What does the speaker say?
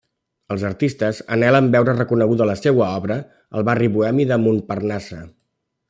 Els artistes anhelen veure reconeguda la seua obra al barri bohemi de Montparnasse.